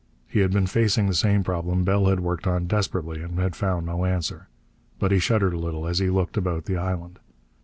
He had been facing the same problem Bell had worked on desperately, and had found no answer. But he shuddered a little as he looked about the island.